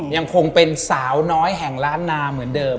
ยังคงเป็นสาวน้อยแห่งล้านนาเหมือนเดิม